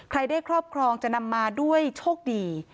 ได้ครอบครองจะนำมาด้วยโชคดี